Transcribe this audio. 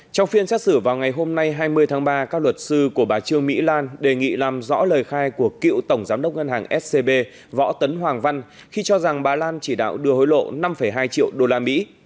trong phiên xét xử vào ngày hôm nay hai mươi tháng ba các luật sư của bà trương mỹ lan đề nghị làm rõ lời khai của cựu tổng giám đốc ngân hàng scb võ tấn hoàng văn khi cho rằng bà lan chỉ đạo đưa hối lộ năm hai triệu đô la mỹ